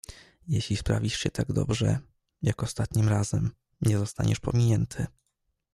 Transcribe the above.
"Jeśli sprawisz się tak dobrze, jak ostatnim razem, nie zostaniesz pominięty."